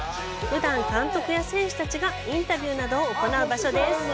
普段、監督や選手たちがインタビューなどを行う場所です。